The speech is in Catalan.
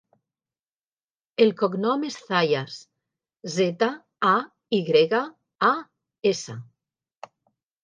El cognom és Zayas: zeta, a, i grega, a, essa.